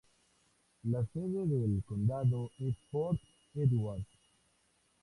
La sede del condado es Fort Edward.